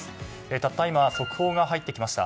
たった今、速報が入ってきました。